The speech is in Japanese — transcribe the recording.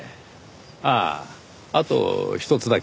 あああとひとつだけ。